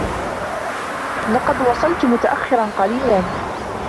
لقد وصلت متأخرا قليلا.